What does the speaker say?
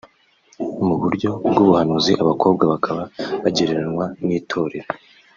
mu buryo bw’ubuhanuzi abakobwa bakaba bagereranywa n’itorero